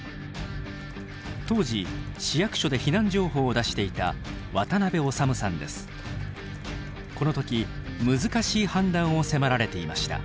当時市役所で避難情報を出していたこの時難しい判断を迫られていました。